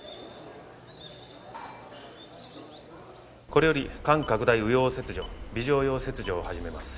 これより肝拡大右葉切除尾状葉切除を始めます。